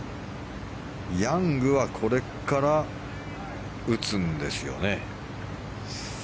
ヤングはこれから打つんですよね。